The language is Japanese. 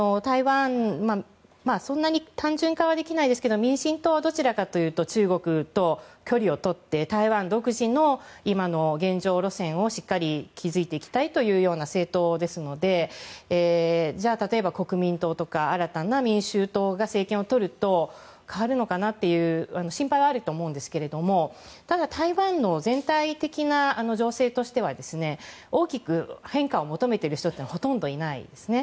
そんなに単純化はできないですけど民進党はどちらかというと中国と距離を取って台湾独自の今の現状路線をしっかり築いていきたいという政党ですのでじゃあ例えば国民党とか新たな民衆党が政権を取ると変わるのかなという心配はあると思うんですけどただ、台湾の全体的な情勢としては大きく変化を求めている人はほとんどいないんですね。